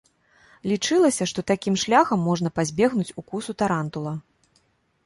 Лічылася, што такім шляхам можна пазбегнуць укусу тарантула.